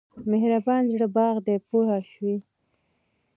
مهربان زړه باغ دی پوه شوې!.